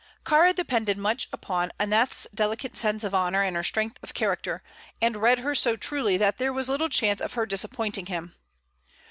Kāra depended much upon Aneth's delicate sense of honor and her strength of character, and read her so truly that there was little chance of her disappointing him.